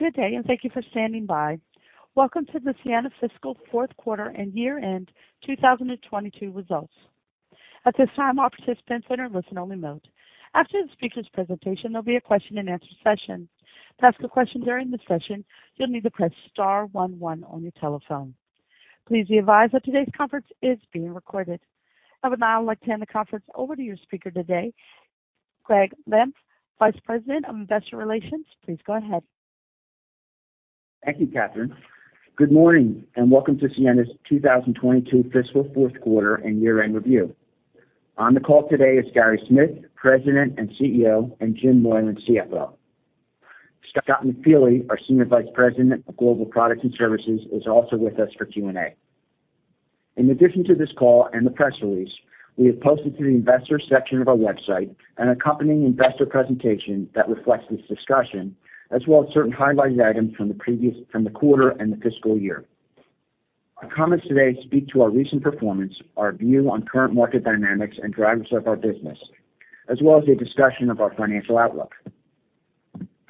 Good day. Thank you for standing by. Welcome to the Ciena Fiscal Fourth Quarter and Year End 2022 results. At this time, all participants are in listen-only mode. After the speaker's presentation, there'll be a question-and-answer session. To ask a question during the session, you'll need to press star one one on your telephone. Please be advised that today's conference is being recorded. I would now like to hand the conference over to your speaker today, Gregg Lampf, Vice President of Investor Relations. Please go ahead. Thank you, Catherine. Good morning, welcome to Ciena's 2022 fiscal fourth quarter and year-end review. On the call today is Gary Smith, President and CEO, and Jim Moylan, CFO. Scott McFeely, our Senior Vice President of Global Products and Services, is also with us for Q&A. In addition to this call and the press release, we have posted to the investor section of our website an accompanying investor presentation that reflects this discussion as well as certain highlighted items from the quarter and the fiscal year. Our comments today speak to our recent performance, our view on current market dynamics and drivers of our business, as well as a discussion of our financial outlook.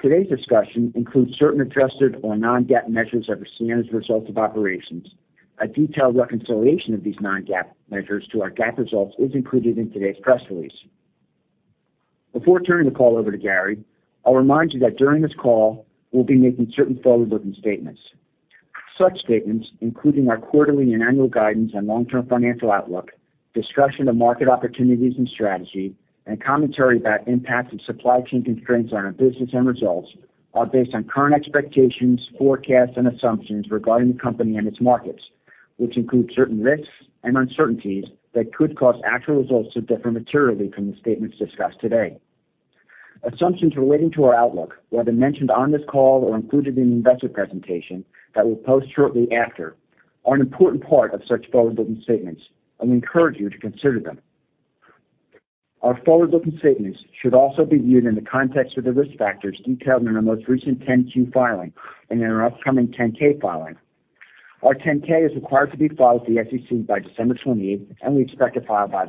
Today's discussion includes certain adjusted or non-GAAP measures of Ciena's results of operations. A detailed reconciliation of these non-GAAP measures to our GAAP results is included in today's press release. Before turning the call over to Gary, I'll remind you that during this call, we'll be making certain forward-looking statements. Such statements, including our quarterly and annual guidance on long-term financial outlook, discussion of market opportunities and strategy, and commentary about impacts of supply chain constraints on our business and results, are based on current expectations, forecasts, and assumptions regarding the company and its markets, which include certain risks and uncertainties that could cause actual results to differ materially from the statements discussed today. Assumptions relating to our outlook, whether mentioned on this call or included in the investor presentation that we'll post shortly after, are an important part of such forward-looking statements, and we encourage you to consider them. Our forward-looking statements should also be viewed in the context of the risk factors detailed in our most recent 10-Q filing and in our upcoming 10-K filing. Our 10-K is required to be filed with the SEC by December 28th. We expect to file by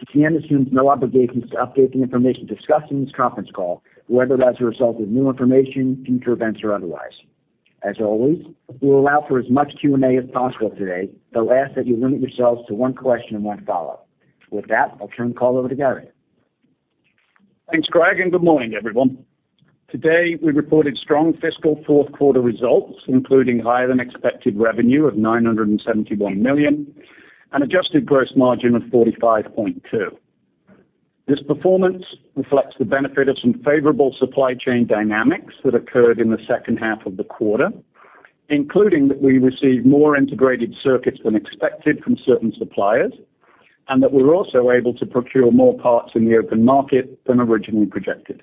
that date. Ciena assumes no obligations to update the information discussed in this conference call, whether as a result of new information, future events, or otherwise. As always, we'll allow for as much Q&A as possible today, though I ask that you limit yourselves to one question and one follow-up. With that, I'll turn the call over to Gary. Thanks, Gregg. Good morning, everyone. Today, we reported strong fiscal fourth quarter results, including higher-than-expected revenue of $971 million and adjusted gross margin of 45.2%. This performance reflects the benefit of some favorable supply chain dynamics that occurred in the second half of the quarter, including that we received more integrated circuits than expected from certain suppliers and that we were also able to procure more parts in the open market than originally projected.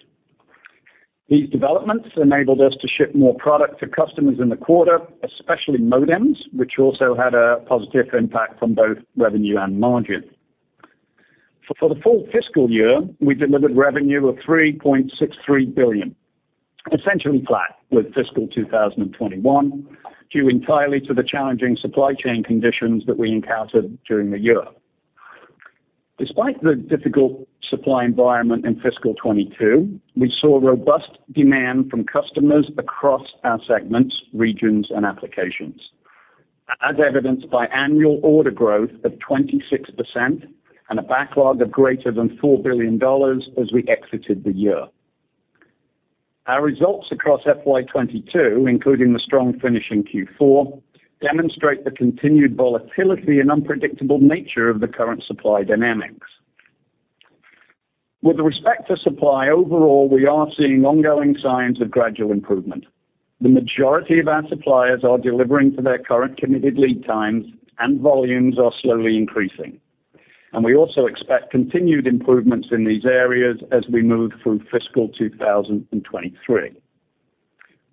These developments enabled us to ship more product to customers in the quarter, especially modems, which also had a positive impact on both revenue and margin. For the full fiscal year, we delivered revenue of $3.63 billion, essentially flat with fiscal 2021, due entirely to the challenging supply chain conditions that we encountered during the year. Despite the difficult supply environment in fiscal 2022, we saw robust demand from customers across our segments, regions, and applications, as evidenced by annual order growth of 26% and a backlog of greater than $4 billion as we exited the year. Our results across FY 2022, including the strong finish in Q4, demonstrate the continued volatility and unpredictable nature of the current supply dynamics. With respect to supply overall, we are seeing ongoing signs of gradual improvement. The majority of our suppliers are delivering to their current committed lead times and volumes are slowly increasing. We also expect continued improvements in these areas as we move through fiscal 2023.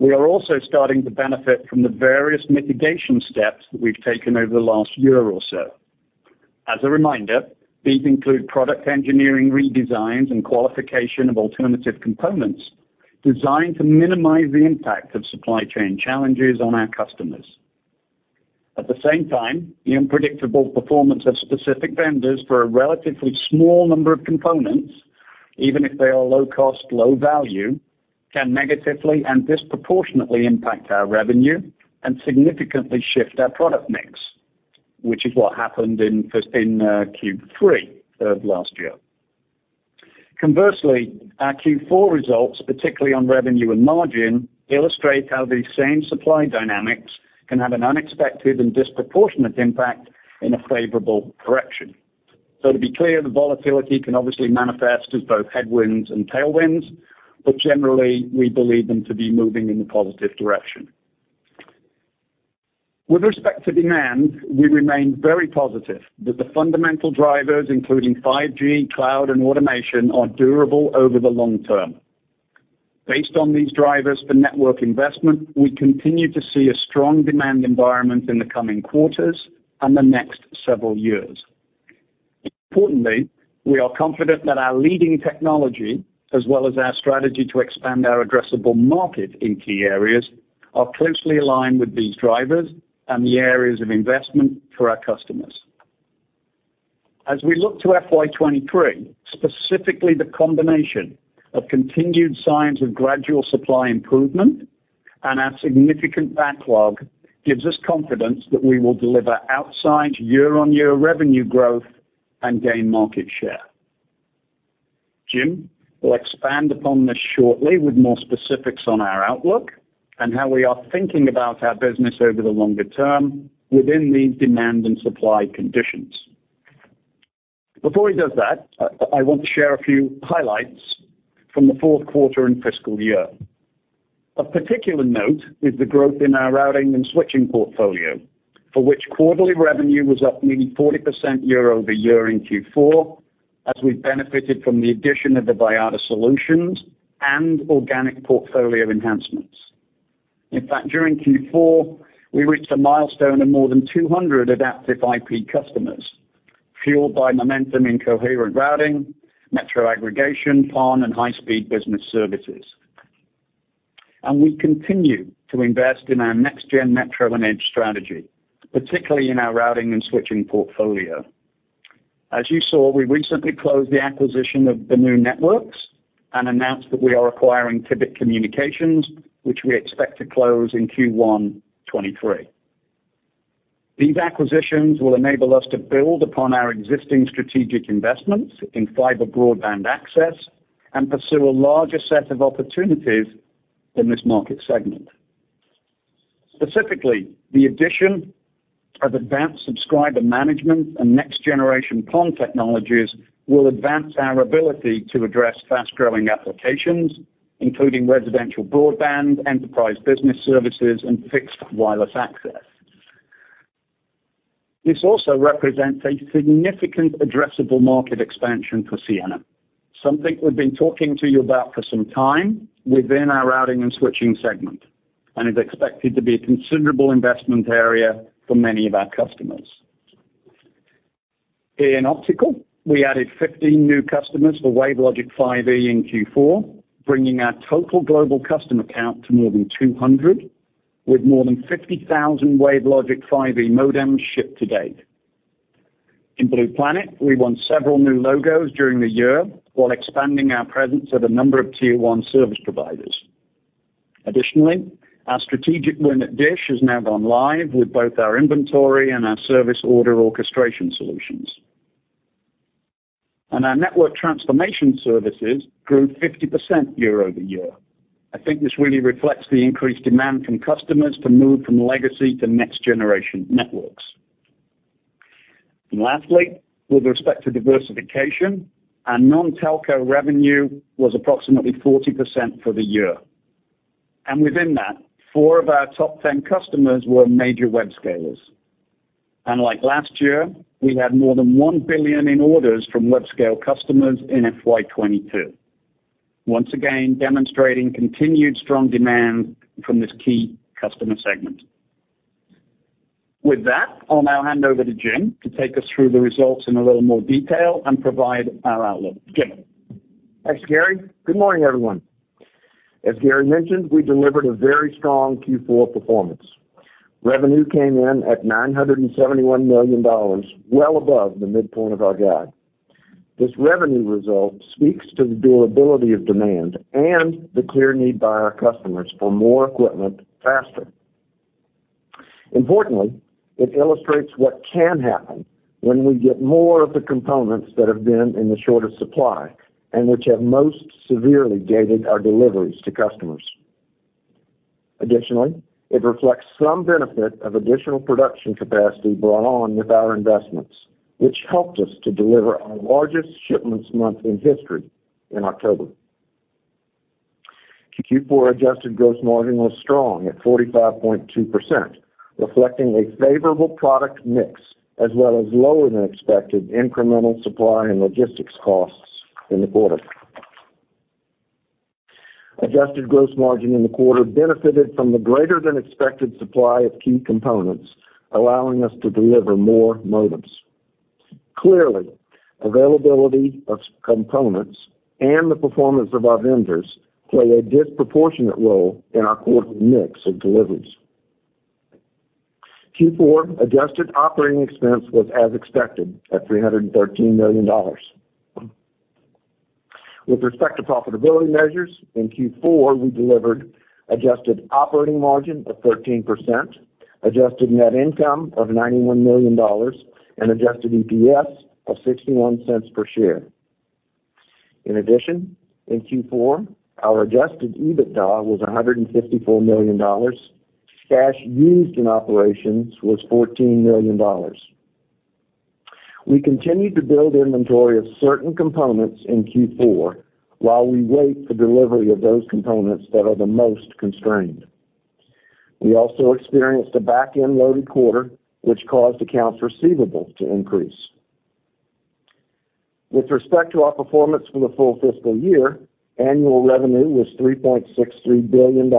We are also starting to benefit from the various mitigation steps that we've taken over the last year or so. As a reminder, these include product engineering redesigns and qualification of alternative components designed to minimize the impact of supply chain challenges on our customers. At the same time, the unpredictable performance of specific vendors for a relatively small number of components, even if they are low cost, low value, can negatively and disproportionately impact our revenue and significantly shift our product mix, which is what happened in Q3 of last year. Conversely, our Q4 results, particularly on revenue and margin, illustrate how these same supply dynamics can have an unexpected and disproportionate impact in a favorable correction. To be clear, the volatility can obviously manifest as both headwinds and tailwinds, but generally, we believe them to be moving in a positive direction. With respect to demand, we remain very positive that the fundamental drivers, including 5G, cloud, and automation, are durable over the long term. Based on these drivers for network investment, we continue to see a strong demand environment in the coming quarters and the next several years. Importantly, we are confident that our leading technology, as well as our strategy to expand our addressable market in key areas, are closely aligned with these drivers and the areas of investment for our customers. As we look to FY 2023, specifically the combination of continued signs of gradual supply improvement and our significant backlog gives us confidence that we will deliver outside year-on-year revenue growth and gain market share. Jim will expand upon this shortly with more specifics on our outlook and how we are thinking about our business over the longer term within these demand and supply conditions. Before he does that, I want to share a few highlights from the fourth quarter and fiscal year. Of particular note is the growth in our routing and switching portfolio, for which quarterly revenue was up nearly 40% year-over-year in Q4 as we benefited from the addition of the Vyatta solutions and organic portfolio enhancements. In fact, during Q4, we reached a milestone of more than 200 Adaptive IP customers, fueled by momentum in coherent routing, metro aggregation, PON, and high-speed business services. We continue to invest in our next gen metro and edge strategy, particularly in our routing and switching portfolio. As you saw, we recently closed the acquisition of Benu Networks and announced that we are acquiring Tibit Communications, which we expect to close in Q1 2023. These acquisitions will enable us to build upon our existing strategic investments in fiber broadband access and pursue a larger set of opportunities in this market segment. Specifically, the addition of advanced subscriber management and next-generation PON technologies will advance our ability to address fast-growing applications, including residential broadband, enterprise business services, and fixed wireless access. This also represents a significant addressable market expansion for Ciena, something we've been talking to you about for some time within our routing and switching segment and is expected to be a considerable investment area for many of our customers. In Optical, we added 15 new customers for WaveLogic 5e in Q4, bringing our total global customer count to more than 200, with more than 50,000 WaveLogic 5e modems shipped to date. In Blue Planet, we won several new logos during the year while expanding our presence at a number of tier one service providers. Additionally, our strategic win at DISH has now gone live with both our inventory and our service order orchestration solutions. Our network transformation services grew 50% year-over-year. I think this really reflects the increased demand from customers to move from legacy to next-generation networks. Lastly, with respect to diversification, our non-telco revenue was approximately 40% for the year. Within that, four of our top 10 customers were major web scalers. Like last year, we had more than $1 billion in orders from web scale customers in FY 2022. Once again, demonstrating continued strong demand from this key customer segment. With that, I'll now hand over to Jim to take us through the results in a little more detail and provide our outlook. Jim. Thanks, Gary. Good morning, everyone. As Gary mentioned, we delivered a very strong Q4 performance. Revenue came in at $971 million, well above the midpoint of our guide. This revenue result speaks to the durability of demand and the clear need by our customers for more equipment faster. Importantly, it illustrates what can happen when we get more of the components that have been in the shortest supply and which have most severely gated our deliveries to customers. Additionally, it reflects some benefit of additional production capacity brought on with our investments, which helped us to deliver our largest shipments month in history in October. Q4 adjusted gross margin was strong at 45.2%, reflecting a favorable product mix, as well as lower than expected incremental supply and logistics costs in the quarter. Adjusted gross margin in the quarter benefited from the greater than expected supply of key components, allowing us to deliver more modems. Clearly, availability of components and the performance of our vendors play a disproportionate role in our quarter mix of deliveries. Q4 adjusted operating expense was as expected at $313 million. With respect to profitability measures, in Q4, we delivered adjusted operating margin of 13%, adjusted net income of $91 million, and adjusted EPS of $0.61 per share. In addition, in Q4, our adjusted EBITDA was $154 million. Cash used in operations was $14 million. We continued to build inventory of certain components in Q4 while we wait for delivery of those components that are the most constrained. We also experienced a back-end loaded quarter, which caused accounts receivable to increase. With respect to our performance for the full fiscal year, annual revenue was $3.63 billion.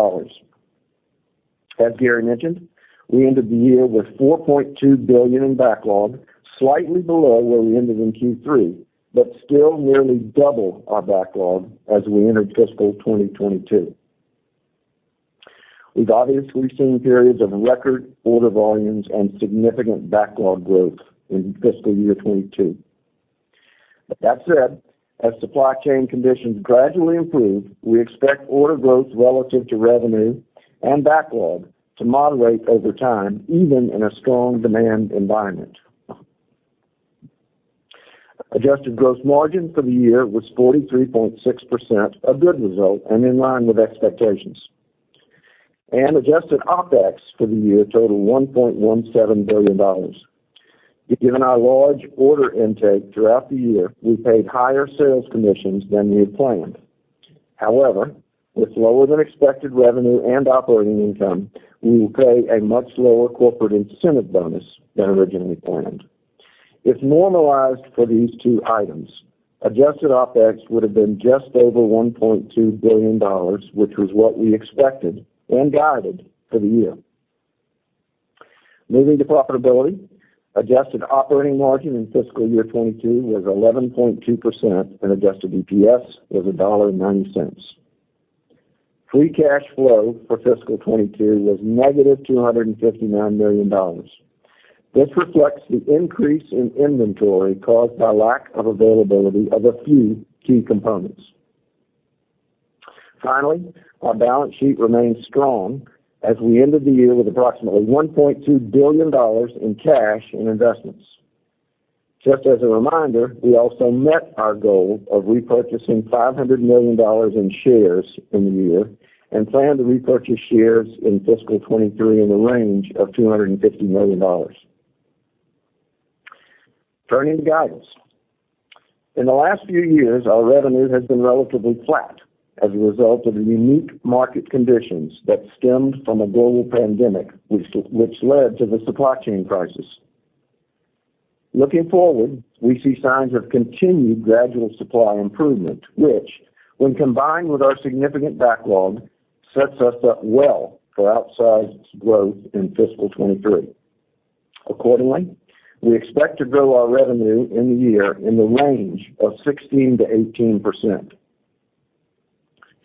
As Gary mentioned, we ended the year with $4.2 billion in backlog, slightly below where we ended in Q3, but still nearly double our backlog as we entered fiscal 2022. We've obviously seen periods of record order volumes and significant backlog growth in fiscal year 2022. That said, as supply chain conditions gradually improve, we expect order growth relative to revenue and backlog to moderate over time, even in a strong demand environment. Adjusted gross margin for the year was 43.6%, a good result and in line with expectations. Adjusted OpEx for the year totaled $1.17 billion. Given our large order intake throughout the year, we paid higher sales commissions than we had planned. With lower than expected revenue and operating income, we will pay a much lower corporate incentive bonus than originally planned. If normalized for these two items, adjusted OpEx would have been just over $1.2 billion, which was what we expected and guided for the year. Moving to profitability. Adjusted operating margin in fiscal year 2022 was 11.2% and adjusted EPS was $1.09. Free cash flow for fiscal 2022 was negative $259 million. This reflects the increase in inventory caused by lack of availability of a few key components. Our balance sheet remains strong as we ended the year with approximately $1.2 billion in cash and investments. Just as a reminder, we also met our goal of repurchasing $500 million in shares in the year and plan to repurchase shares in fiscal 2023 in the range of $250 million. Turning to guidance. In the last few years, our revenue has been relatively flat as a result of the unique market conditions that stemmed from a global pandemic which led to the supply chain crisis. Looking forward, we see signs of continued gradual supply improvement, which when combined with our significant backlog, sets us up well for outsized growth in fiscal 2023. Accordingly, we expect to grow our revenue in the year in the range of 16%-18%.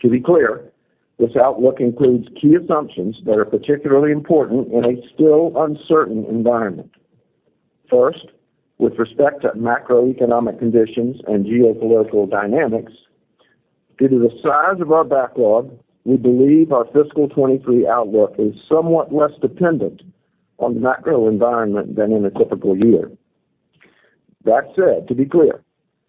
To be clear, this outlook includes key assumptions that are particularly important in a still uncertain environment. First, with respect to macroeconomic conditions and geopolitical dynamics, due to the size of our backlog, we believe our fiscal 2023 outlook is somewhat less dependent on the macro environment than in a typical year. That said, to be clear,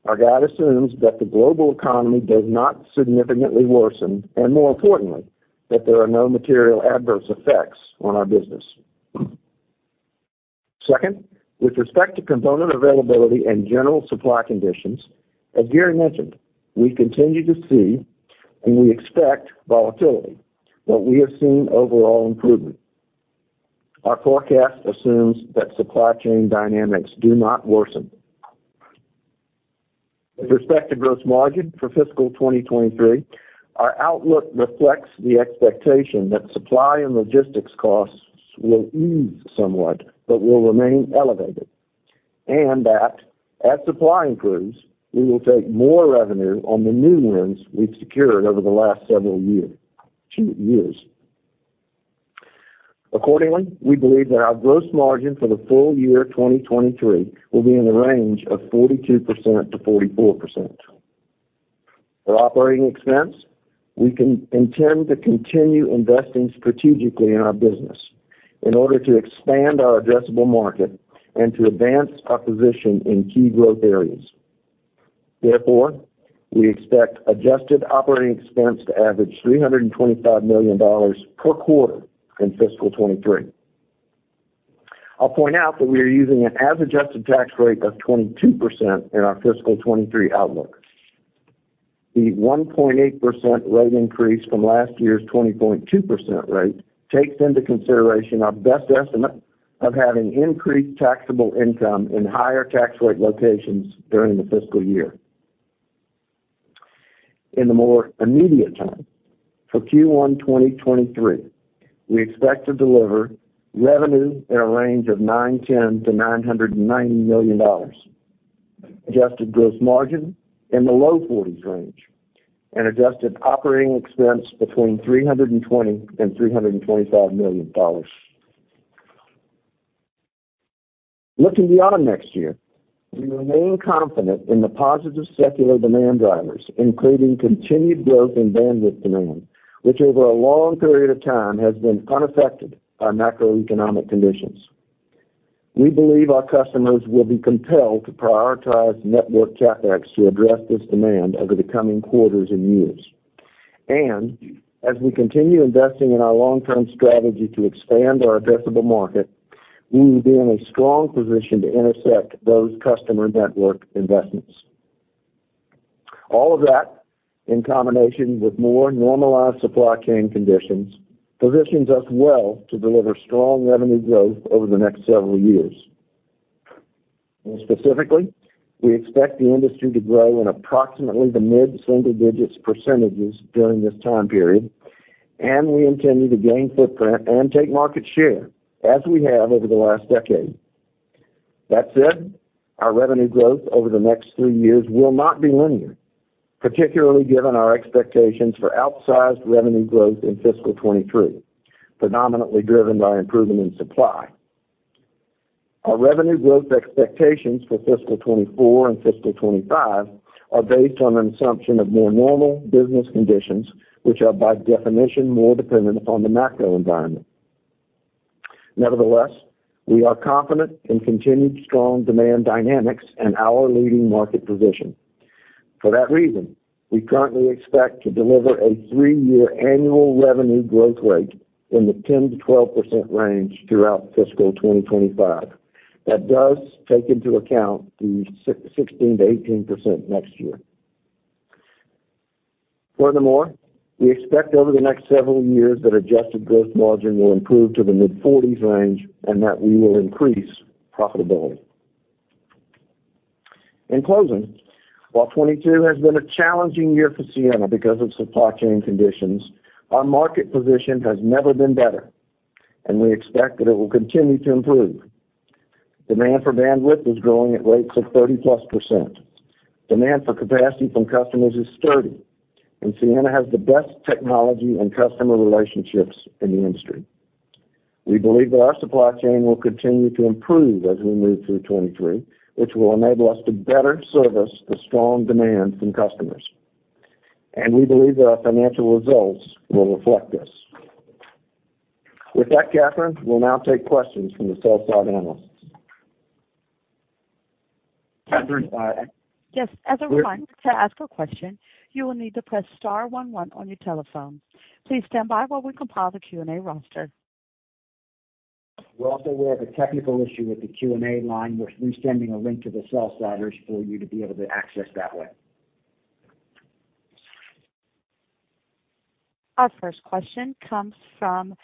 our guide assumes that the global economy does not significantly worsen, and more importantly, that there are no material adverse effects on our business. Second, with respect to component availability and general supply conditions, as Gary mentioned, we continue to see and we expect volatility, but we have seen overall improvement. Our forecast assumes that supply chain dynamics do not worsen. With respect to gross margin for fiscal 2023, our outlook reflects the expectation that supply and logistics costs will ease somewhat but will remain elevated. That as supply improves, we will take more revenue on the new wins we've secured over the last several years. Accordingly, we believe that our gross margin for the full year 2023 will be in the range of 42%-44%. For operating expense, we intend to continue investing strategically in our business in order to expand our addressable market and to advance our position in key growth areas. Therefore, we expect adjusted operating expense to average $325 million per quarter in fiscal 23. I'll point out that we are using an as-adjusted tax rate of 22% in our fiscal 23 outlook. The 1.8% rate increase from last year's 20.2% rate takes into consideration our best estimate of having increased taxable income in higher tax rate locations during the fiscal year. In the more immediate time, for Q1 2023, we expect to deliver revenue in a range of $910 million-$990 million, adjusted gross margin in the low 40s range, and adjusted operating expense between $320 million and $325 million. Looking beyond next year, we remain confident in the positive secular demand drivers, including continued growth in bandwidth demand, which over a long period of time has been unaffected by macroeconomic conditions. We believe our customers will be compelled to prioritize network CapEx to address this demand over the coming quarters and years. As we continue investing in our long-term strategy to expand our addressable market, we will be in a strong position to intercept those customer network investments. All of that, in combination with more normalized supply chain conditions, positions us well to deliver strong revenue growth over the next several years. More specifically, we expect the industry to grow in approximately the mid single digits % during this time period. We intend to gain footprint and take market share as we have over the last decade. That said, our revenue growth over the next three years will not be linear, particularly given our expectations for outsized revenue growth in fiscal 2023, predominantly driven by improvement in supply. Our revenue growth expectations for fiscal 2024 and fiscal 2025 are based on an assumption of more normal business conditions, which are, by definition, more dependent on the macro environment. Nevertheless, we are confident in continued strong demand dynamics and our leading market position. For that reason, we currently expect to deliver a three-year annual revenue growth rate in the 10%-12% range throughout fiscal 2025. That does take into account the 16%-18% next year. Furthermore, we expect over the next several years that adjusted gross margin will improve to the mid-40s range and that we will increase profitability. In closing, while 2022 has been a challenging year for Ciena because of supply chain conditions, our market position has never been better, and we expect that it will continue to improve. Demand for bandwidth is growing at rates of 30%+. Demand for capacity from customers is sturdy, and Ciena has the best technology and customer relationships in the industry. We believe that our supply chain will continue to improve as we move through 2023, which will enable us to better service the strong demand from customers, and we believe that our financial results will reflect this. With that, Catherine, we'll now take questions from the sell side analysts. Catherine. Yes. As a reminder, to ask a question, you will need to press star one one on your telephone. Please stand by while we compile the Q&A roster. We're also aware of a technical issue with the Q&A line. We're resending a link to the sell-siders for you to be able to access that way. Our first question comes from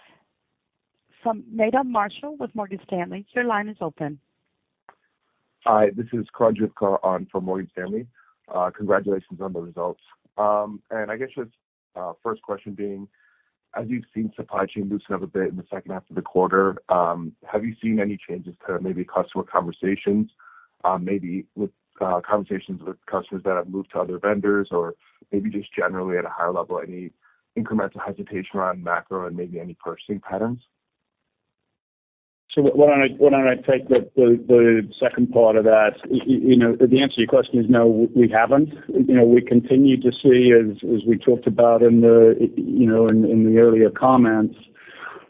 Meta Marshall with Morgan Stanley. Your line is open. Hi, this is Karan Juvekar on for Morgan Stanley. Congratulations on the results. I guess just, first question being, as you've seen supply chain loosen up a bit in the second half of the quarter, have you seen any changes to maybe customer conversations, maybe with, conversations with customers that have moved to other vendors or maybe just generally at a higher level, any incremental hesitation around macro and maybe any purchasing patterns? Why don't I take the second part of that. You know, the answer to your question is no, we haven't. You know, we continue to see as we talked about in the, you know, in the earlier comments,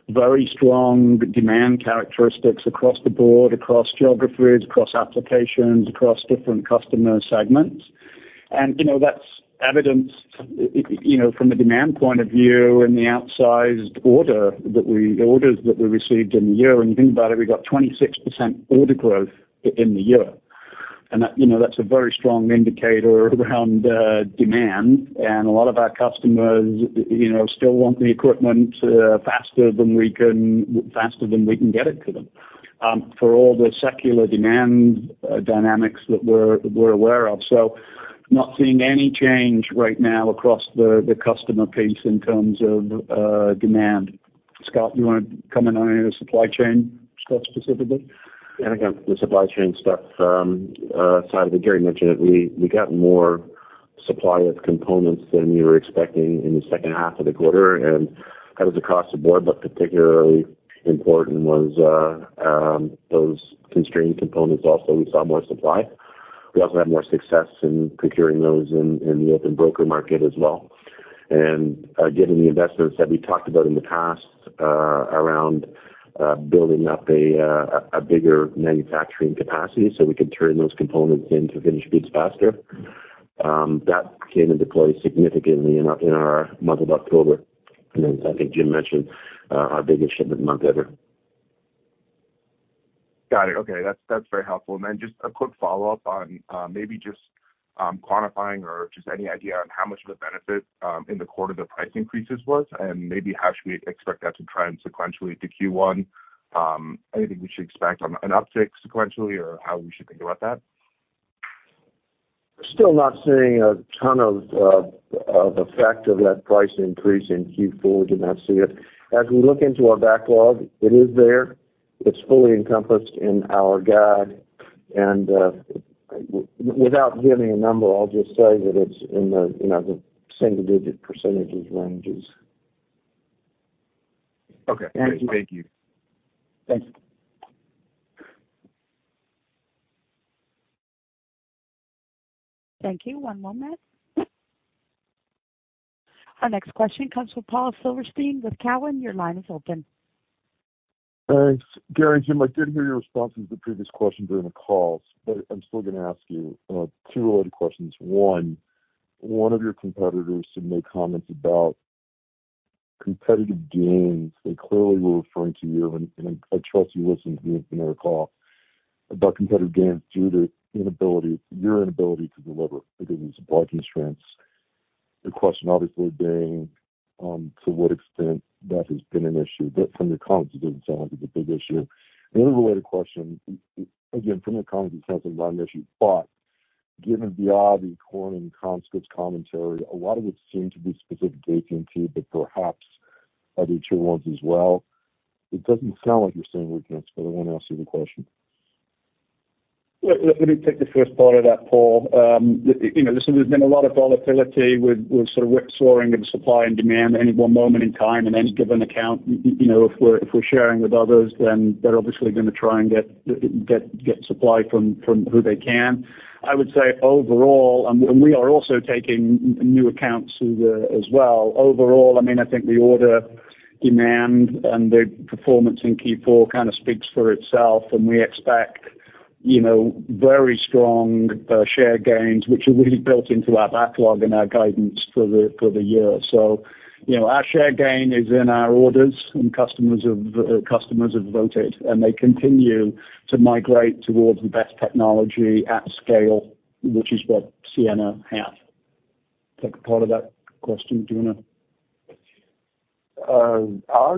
very strong demand characteristics across the board, across geographies, across applications, across different customer segments. You know, that's evidenced, you know, from a demand point of view in the outsized orders that we received in the year. When you think about it, we got 26% order growth in the year. That, you know, that's a very strong indicator around demand. A lot of our customers, you know, still want the equipment faster than we can get it to them for all the secular demand dynamics that we're aware of. Not seeing any change right now across the customer piece in terms of demand. Scott, you wanna comment on any of the supply chain stuff specifically? Again, the supply chain stuff side of it, Gary mentioned it. We got more supply of components than we were expecting in the second half of the quarter. That was across the board, but particularly important was those constrained components also, we saw more supply. We also had more success in procuring those in the open broker market as well. Given the investments that we talked about in the past, around building up a bigger manufacturing capacity so we could turn those components into finished goods faster, that came into play significantly in our month of October. As I think Jim mentioned, our biggest shipment month ever. Got it. Okay. That's, that's very helpful. Just a quick follow-up on maybe just quantifying or just any idea on how much of a benefit in the quarter the price increases was and maybe how should we expect that to trend sequentially to Q1. Anything we should expect on an uptick sequentially or how we should think about that? Still not seeing a ton of effect of that price increase in Q4. We did not see it. As we look into our backlog, it is there. It's fully encompassed in our guide. Without giving a number, I'll just say that it's in the, you know, the single-digit % ranges. Okay. Thank you. Great. Thank you. Thanks. Thank you. One moment. Our next question comes from Paul Silverstein with Cowen. Your line is open. Thanks. Gary and Jim, I did hear your responses to previous questions during the call, I'm still gonna ask you two related questions. One, one of your competitors had made comments about competitive gains. They clearly were referring to you, and I trust you listened to the earnings call about competitive gains due to your inability to deliver because of supply constraints. The question obviously being, to what extent that has been an issue. From your comments, it didn't sound like it's a big issue. Then a related question, again, from your comments, it sounds like not an issue, but given the Akamai, Corning and CommScope commentary, a lot of it seemed to be specific to AT&T, but perhaps other tier ones as well. It doesn't sound like you're seeing weakness, but I want to ask you the question. Let me take the first part of that, Paul. You know, listen, there's been a lot of volatility with sort of whip soaring of supply and demand any one moment in time in any given account. You know, if we're sharing with others, then they're obviously gonna try and get supply from who they can. I would say overall, and we are also taking new accounts through the as well. Overall, I mean, I think the order demand and the performance in Q4 kind of speaks for itself. We expect, you know, very strong share gains, which are really built into our backlog and our guidance for the year. You know, our share gain is in our orders and customers have voted, and they continue to migrate towards the best technology at scale, which is what Ciena have. Take a part of that question, Jim, do you wanna? Our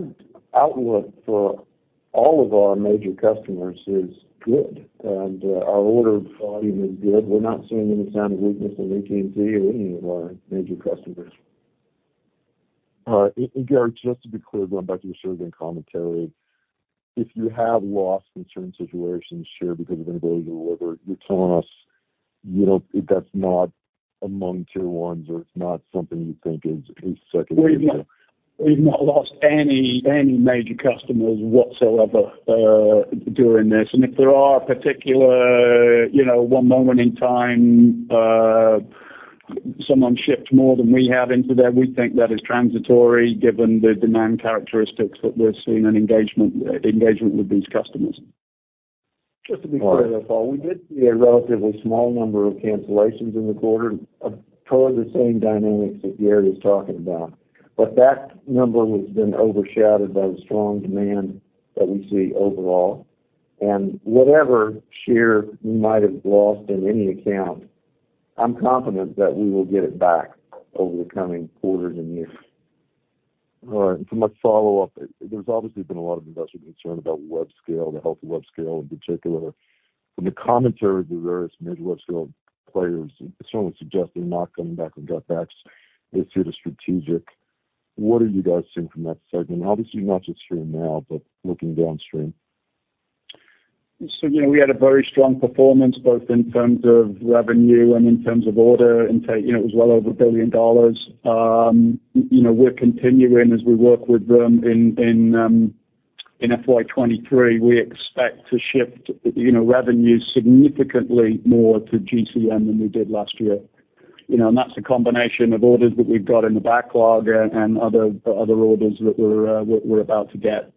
outlook for all of our major customers is good, and our order volume is good. We're not seeing any sign of weakness in AT&T or any of our major customers. All right. Gary, just to be clear, going back to your serving commentary, if you have lost in certain situations share because of innovation or whatever, you're telling us, you know, that's not among tier ones or it's not something you think is secondary. We've not lost any major customers whatsoever during this. If there are particular, you know, one moment in time, someone shipped more than we have into there, we think that is transitory given the demand characteristics that we're seeing and engagement with these customers. Just to be clear though, Paul, we did see a relatively small number of cancellations in the quarter of per the same dynamics that Gary is talking about. That number has been overshadowed by the strong demand that we see overall. Whatever share we might have lost in any account, I'm confident that we will get it back over the coming quarters and years. All right. My follow-up, there's obviously been a lot of investor concern about web scale, the health of web scale in particular. From the commentary of the various major web scale players, it's certainly suggesting not coming back from cutbacks. They've hit a strategic. What are you guys seeing from that segment? Obviously, not just through now, but looking downstream. You know, we had a very strong performance both in terms of revenue and in terms of order intake. You know, it was well over $1 billion. You know, we're continuing as we work with them in FY 2023. We expect to shift, you know, revenues significantly more to GCN than we did last year. You know, and that's a combination of orders that we've got in the backlog and other orders that we're about to get.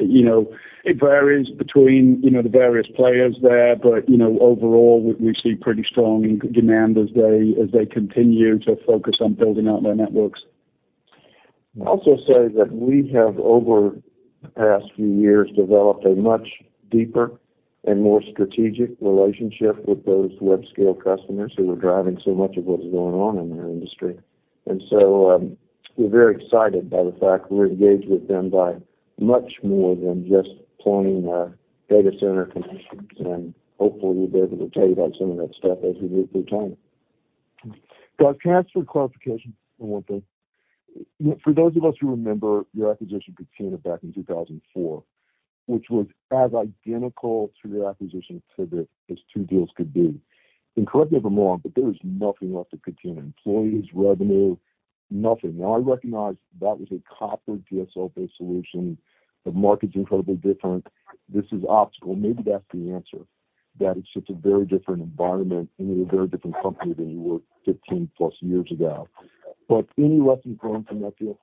You know, it varies between, you know, the various players there. You know, overall, we see pretty strong demand as they continue to focus on building out their networks. I'd also say that we have over the past few years, developed a much deeper and more strategic relationship with those web scale customers who are driving so much of what's going on in our industry. We're very excited by the fact we're engaged with them by much more than just pulling our data center conditions, and hopefully we'll be able to tell you about some of that stuff as we move through time. Got cancer clarification on one thing. For those of us who remember your acquisition with Ciena back in 2004, which was as identical to your acquisition pivot as two deals could be. Correct me if I'm wrong, but there was nothing left to continue employees, revenue, nothing. I recognize that was a copper DSL-based solution. The market's incredibly different. This is optical. Maybe that's the answer, that it's just a very different environment, and you're a very different company than you were 15 plus years ago. Any lessons learned from that deal?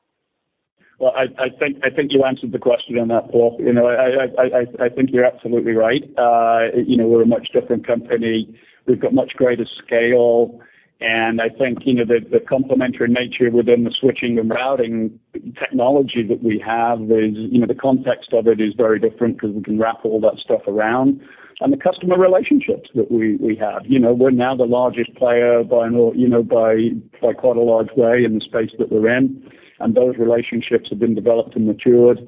Well, I think you answered the question on that, Paul. You know, I think you're absolutely right. You know, we're a much different company. We've got much greater scale. I think, you know, the complementary nature within the switching and routing technology that we have is, you know, the context of it is very different cause we can wrap all that stuff around. The customer relationships that we have. You know, we're now the largest player by and all, you know, by quite a large way in the space that we're in, and those relationships have been developed and matured.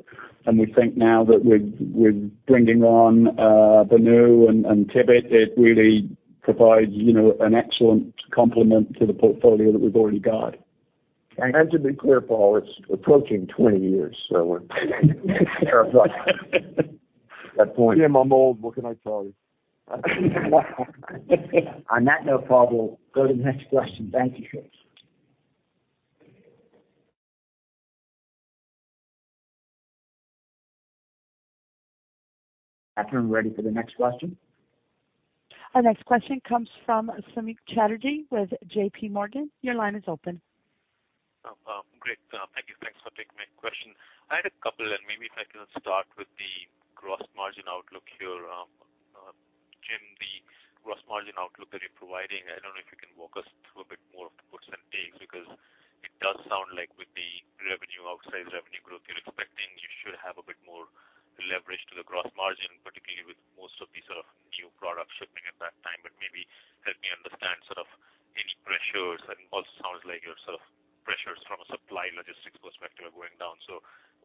We think now that we're bringing on Benu and Tibit, it really provides, you know, an excellent complement to the portfolio that we've already got. To be clear, Paul, it's approaching 20 years. We're at that point. Yeah, I'm old. What can I tell you? On that note, Paul, we'll go to the next question. Thank you. Catherine, ready for the next question. Our next question comes from Samik Chatterjee with J.P. Morgan. Your line is open. Great. Thank you. Thanks for taking my question. I had couple, maybe if I can start with the gross margin outlook here. Jim, the gross margin outlook that you're providing, I don't know if you can walk us through a bit more of the percentages, because it does sound like with the revenue, outsized revenue growth you're expecting, you should have a bit more leverage to the gross margin, particularly with most of the sort of new product shipping at that time. Maybe help me. Like your sort of pressures from a supply logistics perspective are going down.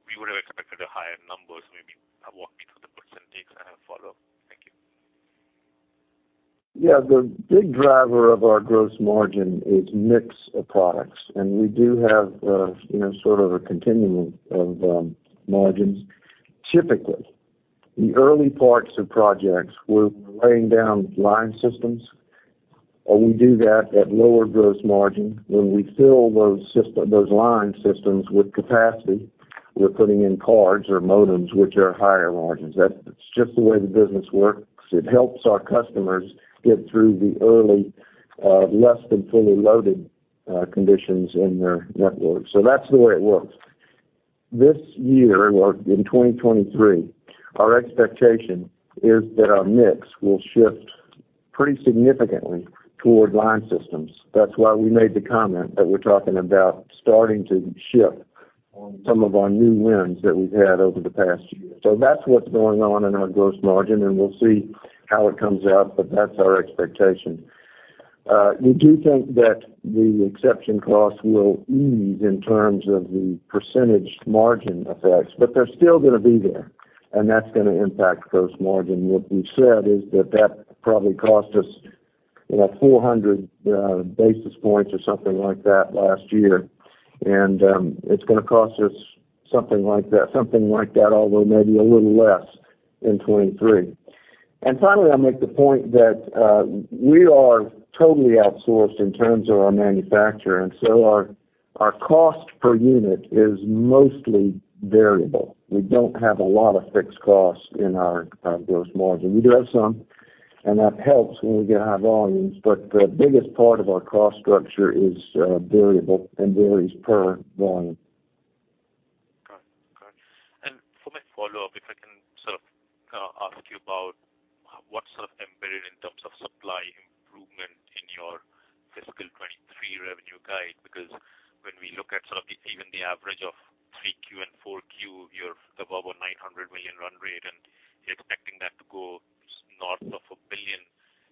We would have expected a higher numbers, maybe walk me through the percentages. I have a follow-up. Thank you. The big driver of our gross margin is mix of products, we do have, you know, sort of a continuum of margins. Typically, the early parts of projects, we're laying down line systems, we do that at lower gross margin. When we fill those line systems with capacity, we're putting in cards or modems, which are higher margins. It's just the way the business works. It helps our customers get through the early, less than fully loaded, conditions in their network. That's the way it works. This year, or in 2023, our expectation is that our mix will shift pretty significantly toward line systems. That's why we made the comment that we're talking about starting to ship on some of our new wins that we've had over the past year. That's what's going on in our gross margin, and we'll see how it comes out, but that's our expectation. We do think that the exception costs will ease in terms of the percentage margin effects, but they're still gonna be there, and that's gonna impact gross margin. What we've said is that that probably cost us, you know, 400 basis points or something like that last year. It's gonna cost us something like that, something like that, although maybe a little less in 2023. Finally, I'll make the point that we are totally outsourced in terms of our manufacturer, and so our cost per unit is mostly variable. We don't have a lot of fixed costs in our gross margin. We do have some, and that helps when we get high volumes, but the biggest part of our cost structure is variable and varies per volume. Got it. Got it. For my follow-up, if I can sort of ask you about what sort of embedded in terms of supply improvement in your fiscal 2023 revenue guide. When we look at sort of even the average of 3Q and 4Q, you're above a $900 million run rate, and you're expecting that to go north of $1 billion.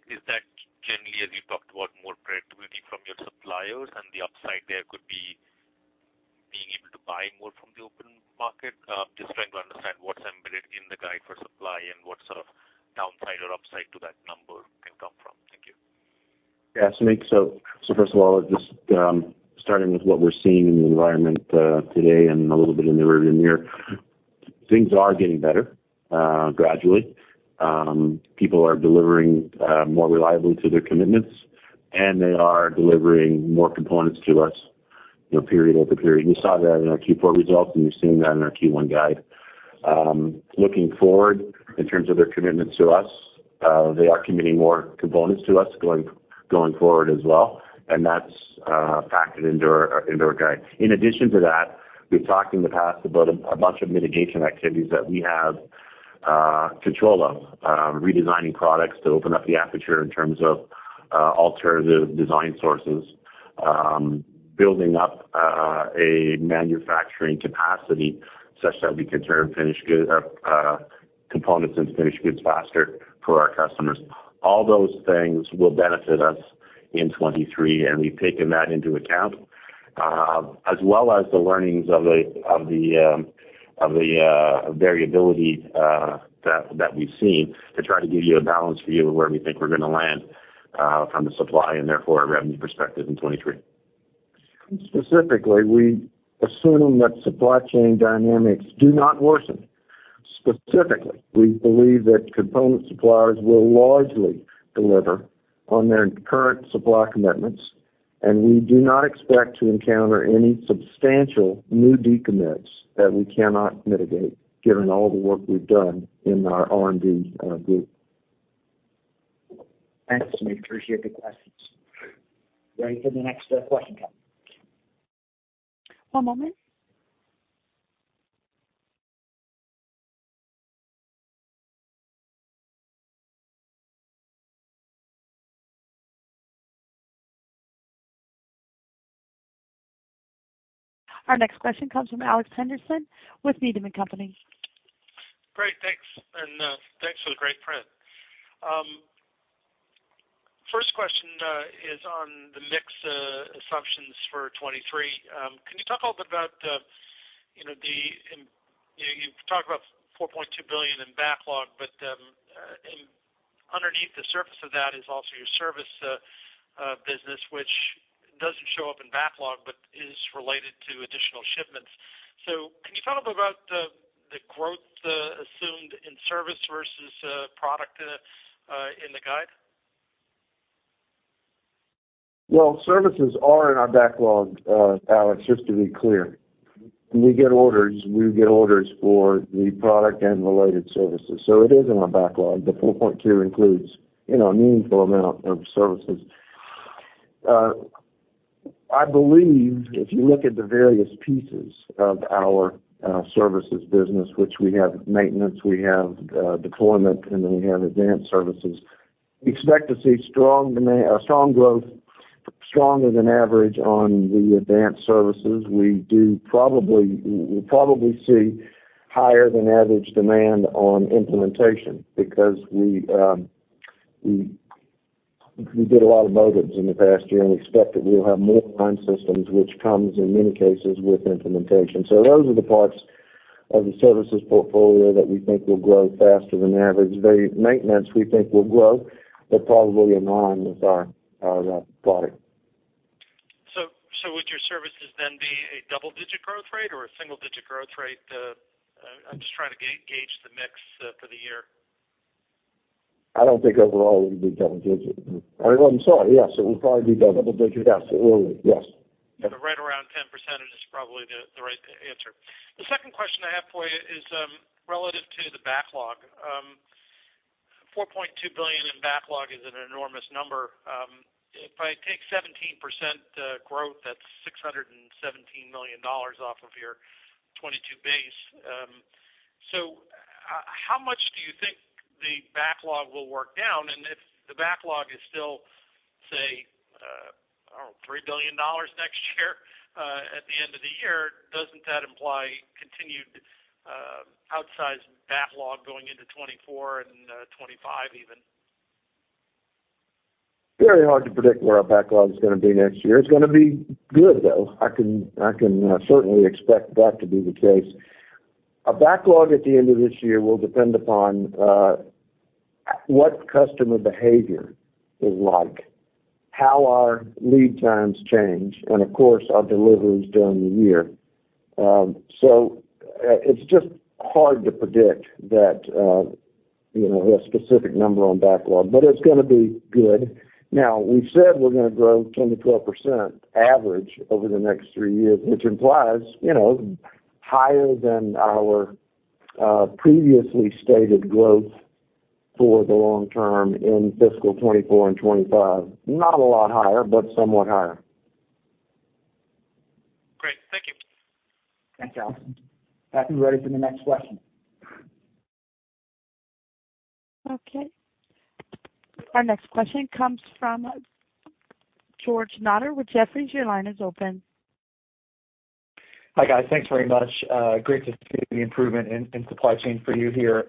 Is that generally, as you talked about, more predictability from your suppliers and the upside there could be being able to buy more from the open market? Just trying to understand what's embedded in the guide for supply and what sort of downside or upside to that number can come from. Thank you. Yeah. First of all, just starting with what we're seeing in the environment today and a little bit in the rear-view mirror, things are getting better gradually. People are delivering more reliably to their commitments, and they are delivering more components to us, you know, period over period. You saw that in our Q4 results, and you're seeing that in our Q1 guide. Looking forward, in terms of their commitments to us, they are committing more components to us going forward as well, and that's factored into our guide. In addition to that, we've talked in the past about a bunch of mitigation activities that we have control of, redesigning products to open up the aperture in terms of alternative design sources, building up a manufacturing capacity such that we can turn finished good components into finished goods faster for our customers. All those things will benefit us in 2023, and we've taken that into account, as well as the learnings of the variability that we've seen to try to give you a balanced view of where we think we're gonna land, from a supply and therefore a revenue perspective in 2023. Specifically, assuming that supply chain dynamics do not worsen, specifically, we believe that component suppliers will largely deliver on their current supply commitments, and we do not expect to encounter any substantial new decommits that we cannot mitigate given all the work we've done in our R&D group. Thanks. We appreciate the questions. Ready for the next question, Kelly. One moment. Our next question comes from Alex Henderson with Needham & Company. Great. Thanks. First question is on the mix assumptions for 2023. Can you talk a little bit about, you know, you've talked about $4.2 billion in backlog, but underneath the surface of that is also your service business, which doesn't show up in backlog but is related to additional shipments. Can you talk about the growth assumed in service versus product in the guide? Well, services are in our backlog, Alex, just to be clear. We get orders for the product and related services. It is in our backlog. The $4.2 includes, you know, a meaningful amount of services. I believe if you look at the various pieces of our services business, which we have maintenance, we have deployment, and then we have advanced services, we expect to see strong growth, stronger than average on the advanced services. We probably see higher than average demand on implementation because we did a lot of motives in the past year, and we expect that we'll have more time systems which comes in many cases with implementation. Those are the parts of the services portfolio that we think will grow faster than average. The maintenance we think will grow, but probably in line with our product. Would your services then be a double-digit growth rate or a single-digit growth rate? I'm just trying to gauge the mix for the year. I don't think overall it would be double digit. I'm sorry. Yes, it will probably be double digit. Double digit. Yes, it will be. Yes. Right around 10% is probably the right answer. The second question I have for you is relative to the backlog. $4.2 billion in backlog is an enormous number. If I take 17% growth, that's $617 million off of your 2022 base. How much do you think the backlog will work down? If the backlog is still, say, I don't know, $3 billion next year at the end of the year, doesn't that imply continued outsized backlog going into 2024 and 2025 even? Very hard to predict where our backlog is gonna be next year. It's gonna be good, though. I can certainly expect that to be the case. A backlog at the end of this year will depend upon what customer behavior is like, how our lead times change, and of course, our deliveries during the year. It's just hard to predict that, you know, a specific number on backlog, but it's gonna be good. We said we're gonna grow 10%-12% average over the next three years, which implies, you know, higher than our previously stated growth for the long term in fiscal 2024 and 2025. Not a lot higher, somewhat higher. Great. Thank you. Thanks, Alex. Operator, we're ready for the next question. Okay. Our next question comes from George Notter with Jefferies. Your line is open. Hi, guys. Thanks very much. Great to see the improvement in supply chain for you here.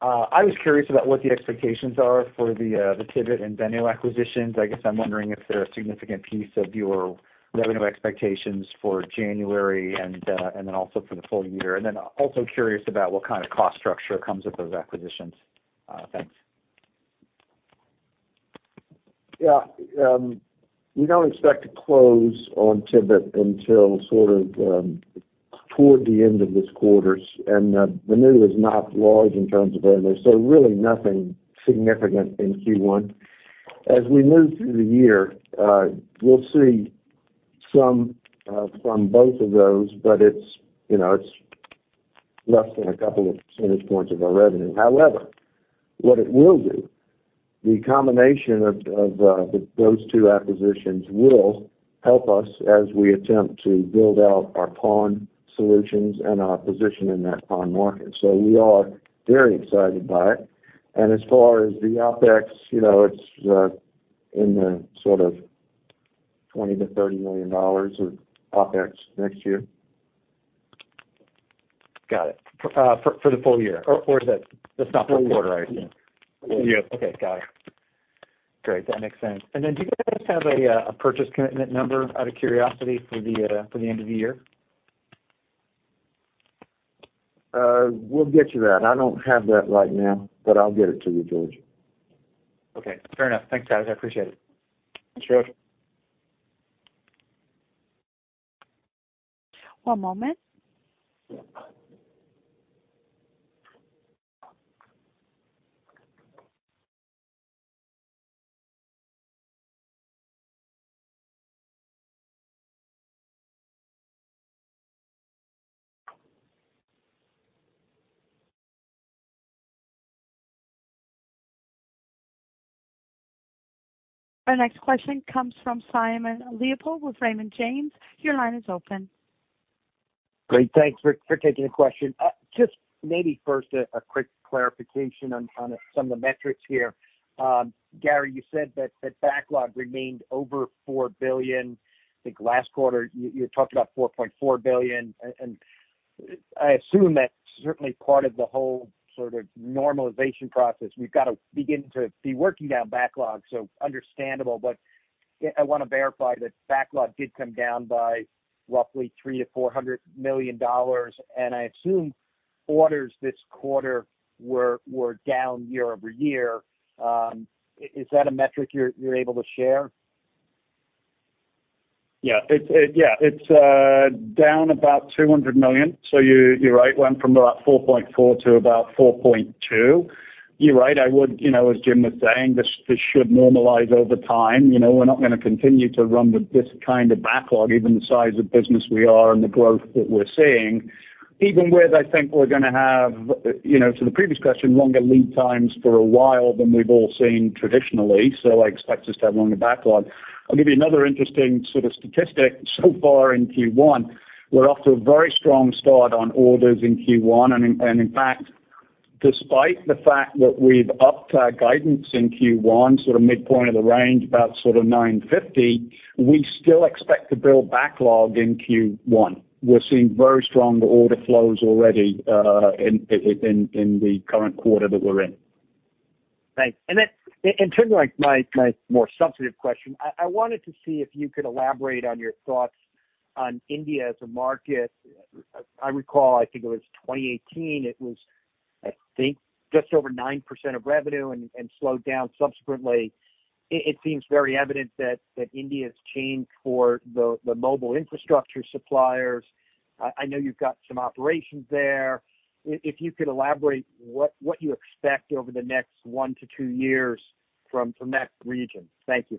I was curious about what the expectations are for the the Tibit and Benu acquisitions. I guess I'm wondering if they're a significant piece of your revenue expectations for January and then also for the full year. Also curious about what kind of cost structure comes with those acquisitions. Thanks. Yeah. We don't expect to close on Tibit until sort of toward the end of this quarters. The news is not large in terms of revenue, so really nothing significant in Q1. As we move through the year, we'll see some from both of those, but it's, you know, it's less than a couple of percentage points of our revenue. However, what it will do, the combination of those two acquisitions will help us as we attempt to build out our PON solutions and our position in that PON market. We are very excited by it. As far as the OpEx, you know, it's in the sort of $20 million-$30 million of OpEx next year. Got it. For the full year? That's not for a quarter, I assume. Full year. Okay. Got it. Great. That makes sense. Do you guys have a purchase commitment number out of curiosity for the end of the year? We'll get you that. I don't have that right now, but I'll get it to you, George. Okay. Fair enough. Thanks, guys. I appreciate it. Thanks, George. One moment. Our next question comes from Simon Leopold with Raymond James. Your line is open. Great. Thanks for taking the question. Just maybe first a quick clarification on some of the metrics here. Gary, you said that backlog remained over $4 billion. I think last quarter you talked about $4.4 billion. And I assume that's certainly part of the whole sort of normalization process. We've got to begin to be working down backlog, so understandable. I wanna verify that backlog did come down by roughly $300 million-$400 million, and I assume orders this quarter were down year-over-year. Is that a metric you're able to share? Yeah, it's down about $200 million. You're, you're right, went from about $4.4 billion to about $4.2 billion. You're right, I would, you know, as Jim was saying, this should normalize over time. You know, we're not gonna continue to run with this kind of backlog, even the size of business we are and the growth that we're seeing. Even with, I think we're gonna have, you know, to the previous question, longer lead times for a while than we've all seen traditionally. I expect us to have longer backlog. I'll give you another interesting sort of statistic so far in Q1. We're off to a very strong start on orders in Q1. In fact, despite the fact that we've upped our guidance in Q1, sort of midpoint of the range, about sort of $950, we still expect to build backlog in Q1. We're seeing very strong order flows already in the current quarter that we're in. Thanks. In terms of like my more substantive question, I wanted to see if you could elaborate on your thoughts on India as a market. I recall, I think it was 2018, it was, I think just over 9% of revenue and slowed down subsequently. It seems very evident that India's change for the mobile infrastructure suppliers. I know you've got some operations there. If you could elaborate what you expect over the next 1 to 2 years from that region. Thank you.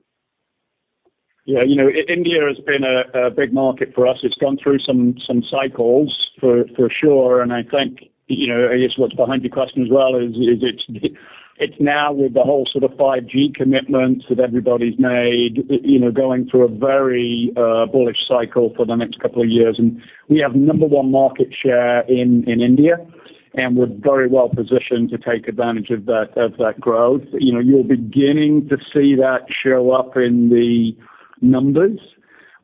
Yeah. You know, India has been a big market for us. It's gone through some cycles for sure. I think, you know, I guess what's behind your question as well is it's now with the whole sort of 5G commitments that everybody's made, you know, going through a very bullish cycle for the next couple of years. We have number one market share in India, and we're very well positioned to take advantage of that growth. You know, you're beginning to see that show up in the numbers.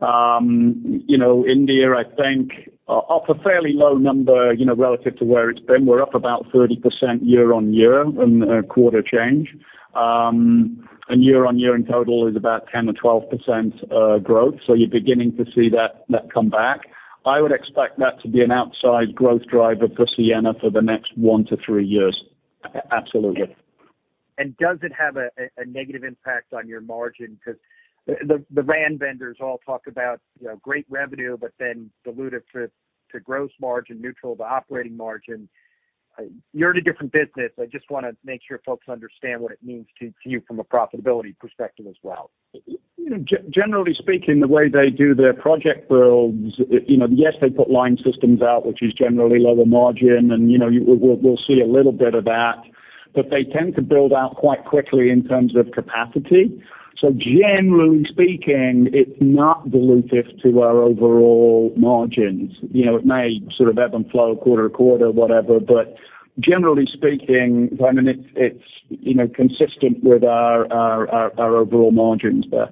You know, India, I think, off a fairly low number, you know, relative to where it's been. We're up about 30% year-on-year in quarter change. Year-on-year in total is about 10% or 12% growth. You're beginning to see that come back. I would expect that to be an outsized growth driver for Ciena for the next 1-3 years. Absolutely. Does it have a negative impact on your margin? Cause the RAN vendors all talk about, you know, great revenue but then dilutive to gross margin, neutral to operating margin. You're in a different business. I just wanna make sure folks understand what it means to you from a profitability perspective as well. You know, generally speaking, the way they do their project builds, you know, yes, they put line systems out, which is generally lower margin and, you know, we'll see a little bit of that, but they tend to build out quite quickly in terms of capacity. Generally speaking, it's not dilutive to our overall margins. You know, it may sort of ebb and flow quarter to quarter, whatever, but generally speaking, I mean, it's, you know, consistent with our overall margins there.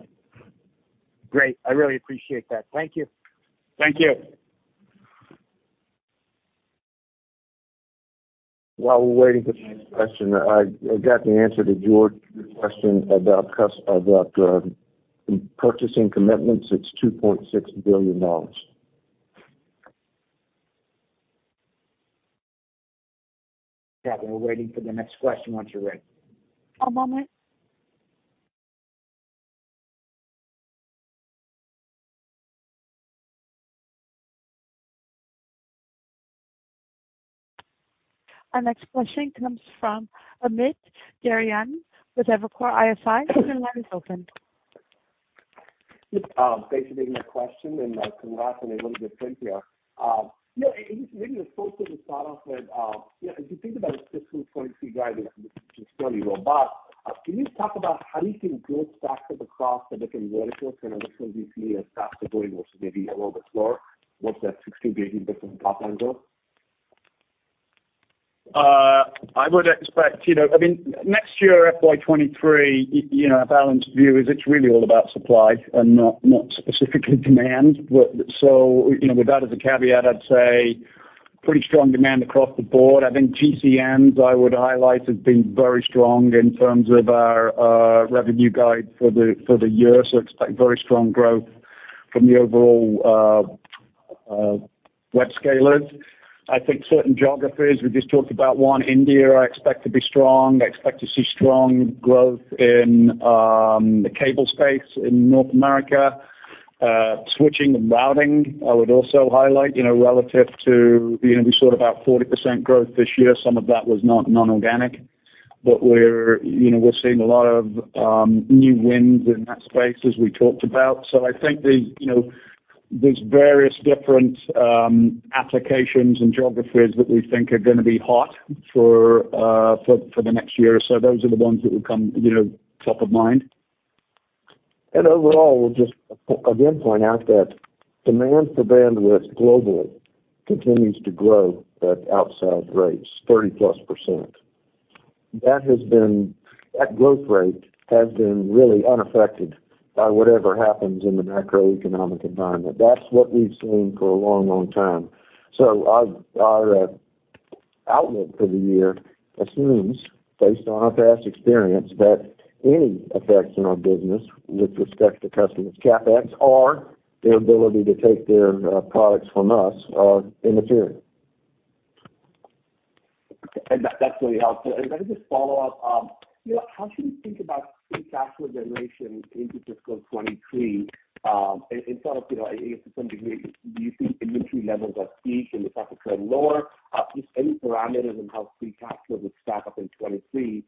Great. I really appreciate that. Thank you. Thank you. While we're waiting for the next question, I got the answer to George's question about purchasing commitments. It's $2.6 billion. Yeah, we're waiting for the next question once you're ready. One moment. Our next question comes from Amit Daryanani with Evercore ISI. Your line is open. Thanks for taking my question and congrats on a really good print here. You know, maybe just first maybe start off with, you know, if you think about fiscal 23 guidance, it's pretty robust. Can you talk about how you think growth stacks up across the different verticals? I'm sure we see a stack going maybe a little bit slower once that $16 billion in top line growth. I would expect, you know, I mean, next year, FY 2023, you know, our balanced view is it's really all about supply and not specifically demand. You know, with that as a caveat, I'd say pretty strong demand across the board. I think GCNs, I would highlight, have been very strong in terms of our revenue guide for the, for the year. Expect very strong growth from the overall web scalers. I think certain geographies, we just talked about one, India, I expect to be strong. I expect to see strong growth in the cable space in North America. Switching and routing, I would also highlight, you know, relative to, you know, we saw about 40% growth this year. Some of that was not non-organic, but we're, you know, we're seeing a lot of new wins in that space as we talked about. I think there's, you know, there's various different applications and geographies that we think are gonna be hot for the next year or so. Those are the ones that would come, you know, top of mind. Overall, we'll just again point out that demand for bandwidth globally continues to grow at outsized rates, 30%+. That growth rate has been really unaffected by whatever happens in the macroeconomic environment. That's what we've seen for a long, long time. Our outlook for the year assumes, based on our past experience, that any effects in our business with respect to customers' CapEx or their ability to take their products from us are immaterial. Okay. That's really helpful. Can I just follow up, you know, how should we think about free cash flow generation into fiscal 2023, in front of, you know, to some degree, do you think inventory levels are peak and the cost of credit lower? Just any parameters on how free cash flow would stack up in 2023,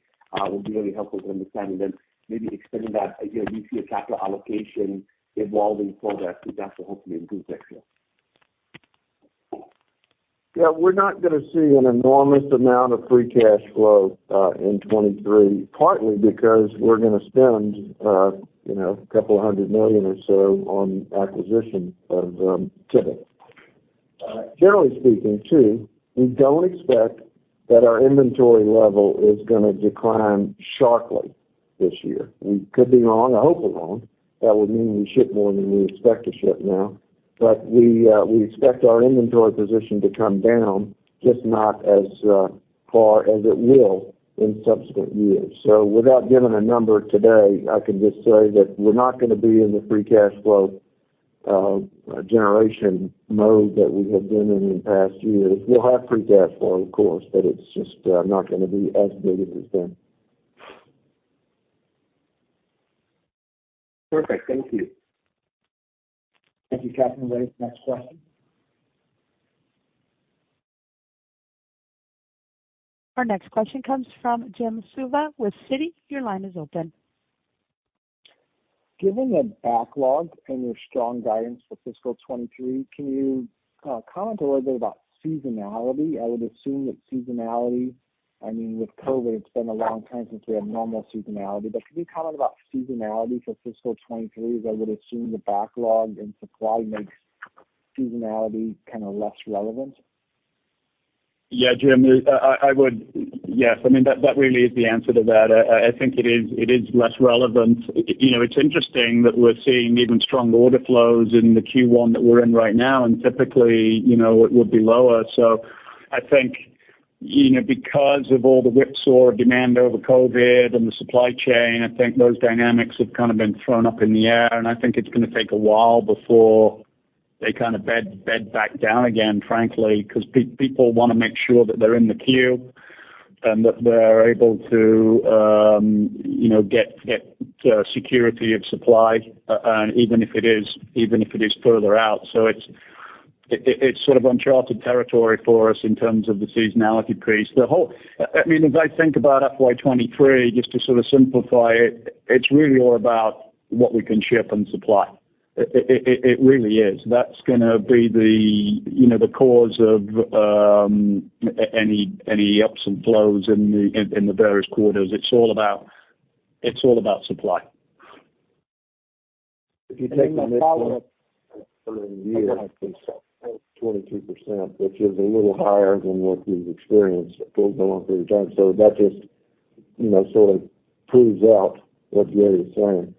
would be really helpful in understanding then maybe extending that, you know, we see a capital allocation evolving further, that will hopefully improve next year. Yeah, we're not gonna see an enormous amount of free cash flow in 2023, partly because we're gonna spend, you know, couple of $100 million or so on acquisition of Tibit. Generally speaking too, we don't expect that our inventory level is gonna decline sharply. This year. We could be wrong. I hope we're wrong. That would mean we ship more than we expect to ship now. We, we expect our inventory position to come down, just not as far as it will in subsequent years. Without giving a number today, I can just say that we're not gonna be in the free cash flow generation mode that we have been in past years. We'll have free cash flow, of course, but it's just not gonna be as big as it's been. Perfect. Thank you. Thank you. Catherine, ready for the next question. Our next question comes from Jim Suva with Citi. Your line is open. Given the backlog and your strong guidance for fiscal 2023, can you comment a little bit about seasonality? I would assume that seasonality. I mean, with COVID, it's been a long time since we had normal seasonality. Can you comment about seasonality for fiscal 2023, as I would assume the backlog and supply makes seasonality kinda less relevant? Jim, Yes. I mean, that really is the answer to that. I think it is less relevant. You know, it's interesting that we're seeing even strong order flows in the Q1 that we're in right now, and typically, you know, it would be lower. I think, you know, because of all the whipsaw demand over COVID and the supply chain, I think those dynamics have kinda been thrown up in the air. I think it's gonna take a while before they kind of bed back down again, frankly, cause people wanna make sure that they're in the queue and that they're able to, you know, get security of supply, even if it is further out. It's sort of uncharted territory for us in terms of the seasonality piece. I mean, as I think about FY 2023, just to sort of simplify it's really all about what we can ship and supply. It really is. That's gonna be the, you know, the cause of any ups and flows in the various quarters. It's all about supply. If you take the midpoint for the year, I think it's up 23%, which is a little higher than what we've experienced going on for a time. That just, you know, sort of proves out what Gary is saying.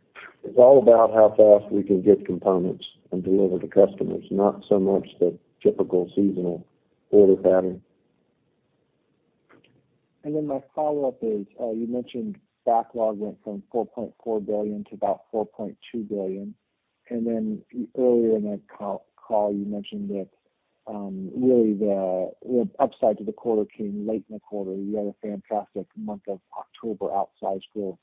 It's all about how fast we can get components and deliver to customers, not so much the typical seasonal order pattern. My follow-up is, you mentioned backlog went from $4.4 billion to about $4.2 billion. Earlier in the call, you mentioned that really the upside to the quarter came late in the quarter. You had a fantastic month of October outsized growth.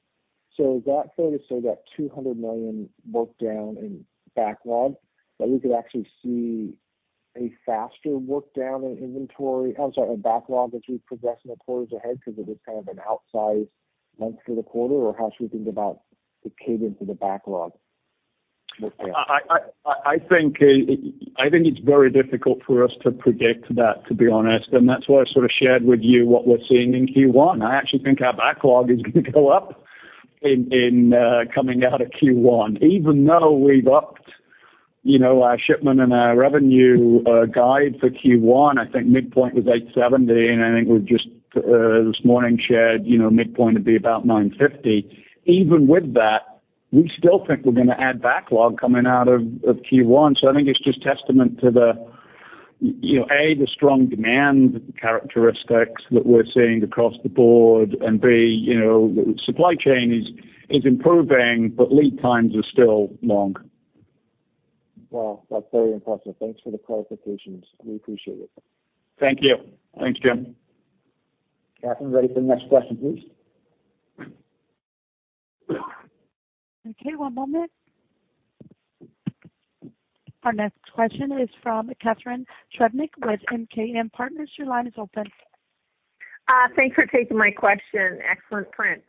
Is that fair to say that $200 million work down in backlog, that we could actually see a faster work down in backlog as we progress in the quarters ahead because it was kind of an outsized month for the quarter? How should we think about the cadence of the backlog work down? I think it's very difficult for us to predict that, to be honest. That's why I sort of shared with you what we're seeing in Q1. I actually think our backlog is gonna go up in coming out of Q1, even though we've upped, you know, our shipment and our revenue guide for Q1. I think midpoint was $870. I think we've just this morning shared, you know, midpoint to be about $950. Even with that, we still think we're gonna add backlog coming out of Q1. I think it's just testament to the, you know, A, the strong demand characteristics that we're seeing across the board. B, you know, supply chain is improving, but lead times are still long. That's very impressive. Thanks for the clarifications. We appreciate it. Thank you. Thanks, Jim. Catherine, ready for the next question, please. Okay, one moment. Our next question is from Catharine Trebnick with MKM Partners. Your line is open. Thanks for taking my question. Excellent print.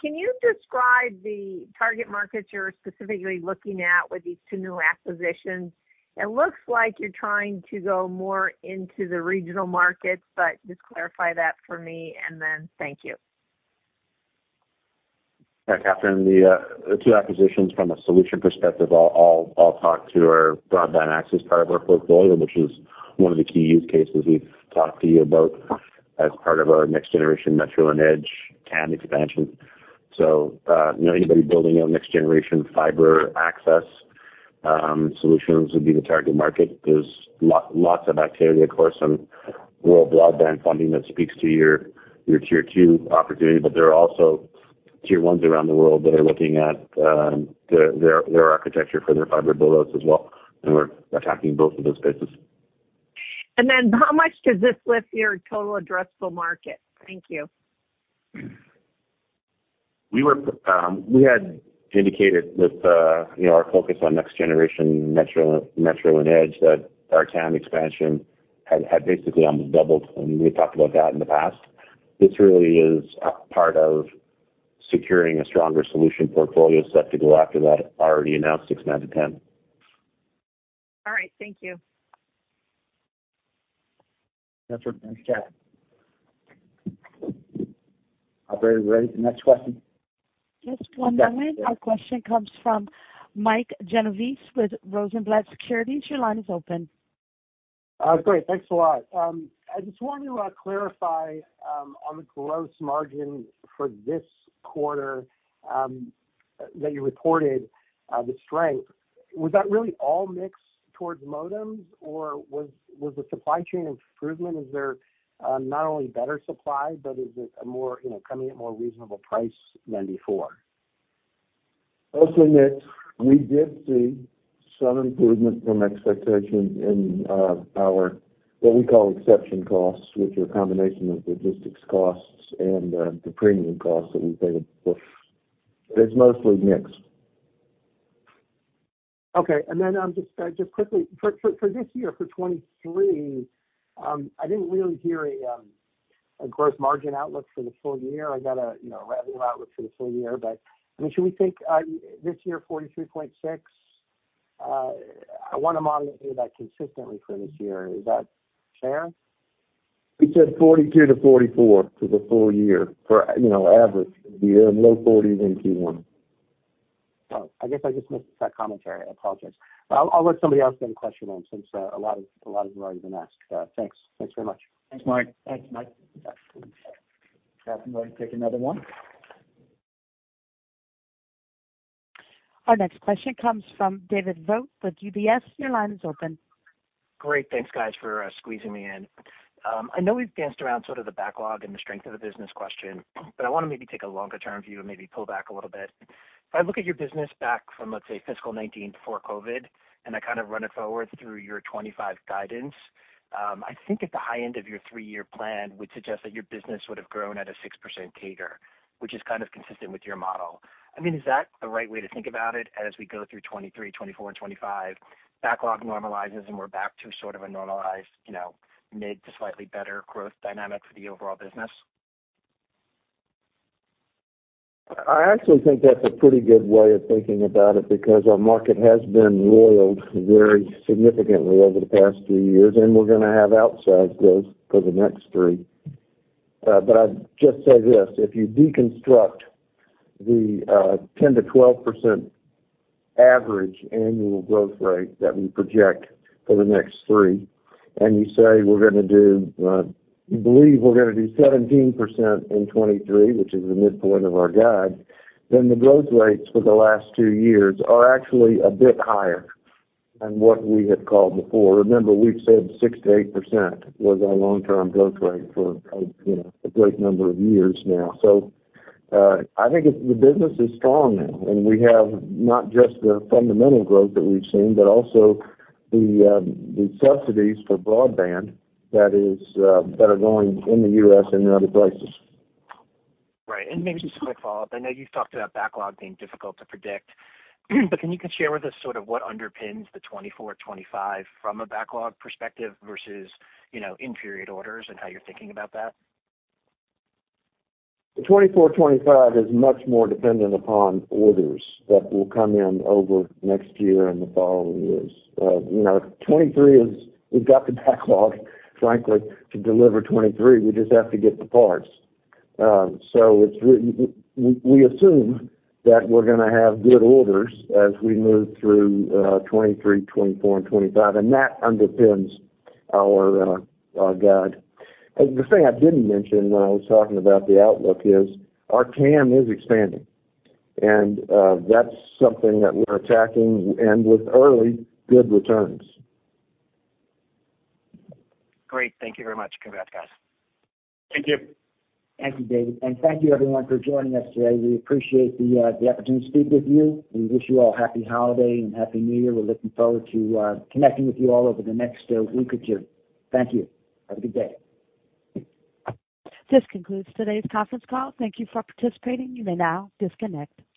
Can you describe the target markets you're specifically looking at with these two new acquisitions? It looks like you're trying to go more into the regional markets, but just clarify that for me and then thank you. Hi, Catharine. The two acquisitions from a solution perspective all talk to our broadband access part of our portfolio, which is one of the key use cases we've talked to you about as part of our next generation metro and edge TAM expansion. You know, anybody building out next generation fiber access solutions would be the target market. There's lots of activity, of course, on rural broadband funding that speaks to your tier two opportunity. There are also tier ones around the world that are looking at their architecture for their fiber build-outs as well, and we're attacking both of those spaces. How much does this lift your total addressable market? Thank you. We were, we had indicated with, you know, our focus on next generation metro and edge, that our TAM expansion had basically almost doubled. We talked about that in the past. This really is a part of securing a stronger solution portfolio set to go after that already announced expanded TAM. All right. Thank you. That's it. Thanks, Catherine. Operator, you ready for the next question? Just one moment. Our question comes from Mike Genovese with Rosenblatt Securities. Your line is open. Great. Thanks a lot. I just want to clarify on the gross margin for this quarter that you reported the strength. Was that really all mixed towards modems or was the supply chain improvement, is there not only better supply, but is it a more, you know, coming at more reasonable price than before? Mostly mix. We did see some improvement from expectation in our what we call exception costs, which are a combination of logistics costs and the premium costs that we pay to push. It's mostly mix. Okay. Just quickly. For this year, for 2023, I didn't really hear a gross margin outlook for the full year. I got a, you know, revenue outlook for the full year, I mean, should we think this year 43.6%? I wanna model it here that consistently for this year. Is that fair? We said 42-44 for the full year for, you know, average. We are in low forties in Q1. I guess I just missed that commentary. I apologize. I'll let somebody else get a question in since, a lot have already been asked. Thanks. Thanks very much. Thanks, Mike. Thanks, Mike. Happy to take another one. Our next question comes from David Vogt with UBS. Your line is open. Great. Thanks, guys, for squeezing me in. I know we've danced around sort of the backlog and the strength of the business question, but I wanna maybe take a longer term view and maybe pull back a little bit. If I look at your business back from, let's say, fiscal 2019 before COVID, and I kind of run it forward through your 2025 guidance, I think at the high end of your 3-year plan would suggest that your business would have grown at a 6% CAGR, which is kind of consistent with your model. I mean, is that the right way to think about it as we go through 2023, 2024, and 2025, backlog normalizes, and we're back to sort of a normalized, you know, mid to slightly better growth dynamic for the overall business? I actually think that's a pretty good way of thinking about it because our market has been loyal very significantly over the past 3 years, and we're gonna have outsized growth for the next 3. I'd just say this, if you deconstruct the 10%-12% average annual growth rate that we project for the next 3, and you say, we're gonna do, believe we're gonna do 17% in 2023, which is the midpoint of our guide, then the growth rates for the last 2 years are actually a bit higher than what we had called before. Remember, we've said 6%-8% was our long-term growth rate for, you know, a great number of years now. I think the business is strong now, and we have not just the fundamental growth that we've seen, but also the subsidies for broadband that are going in the U.S. and other places. Right. Maybe just a quick follow-up. I know you've talked about backlog being difficult to predict, but can you just share with us sort of what underpins the 2024, 2025 from a backlog perspective versus, you know, in period orders and how you're thinking about that? The 2024, 2025 is much more dependent upon orders that will come in over next year and the following years. you know, 2023 is we've got the backlog, frankly, to deliver 2023. We just have to get the parts. So we assume that we're gonna have good orders as we move through 2023, 2024, and 2025, and that underpins our guide. The thing I didn't mention when I was talking about the outlook is our TAM is expanding, and that's something that we're attacking and with early good returns. Great. Thank you very much. Congrats, guys. Thank you. Thank you, David, and thank you everyone for joining us today. We appreciate the opportunity to speak with you. We wish you all happy holiday and happy new year. We're looking forward to connecting with you all over the next week or two. Thank you. Have a good day. This concludes today's conference call. Thank you for participating. You may now disconnect.